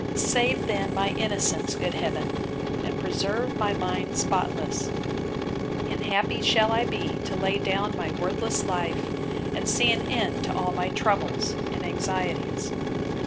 'Save then my innocence, good Heaven! and preserve my mind spotless; and happy shall I be to lay down my worthless life; and see an end to all my troubles and anxieties.